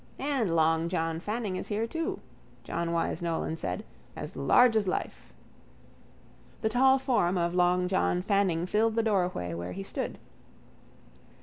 —And long John Fanning is here too, John Wyse Nolan said, as large as life. The tall form of long John Fanning filled the doorway where he stood.